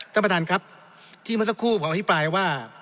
ท่านประธานครับที่เมื่อสักครู่ผมอภิปรายว่า